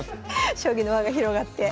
将棋の輪が広がって。